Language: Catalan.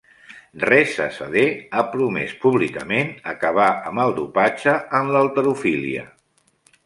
Rezazadeh ha promès públicament acabar amb el dopatge en l'halterofília.